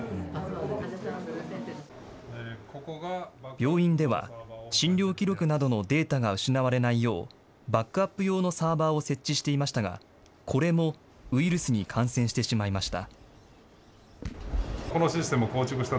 病院では診療記録などのデータが失われないよう、バックアップ用のサーバーを設置していましたが、これもウイルスに感染してしまいました。